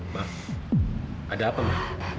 ma ada apa ma